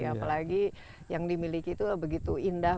apalagi yang dimiliki itu begitu indah